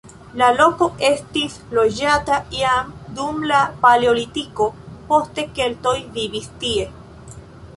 La loko estis loĝata jam dum la paleolitiko, poste keltoj vivis tie.